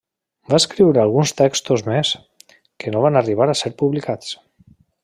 Va escriure alguns textos més, que no van arribar a ser publicats.